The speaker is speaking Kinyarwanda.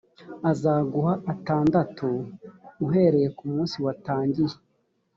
azaguha atandatu uhereye ku munsi watangiye.